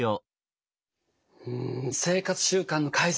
うん生活習慣の改善。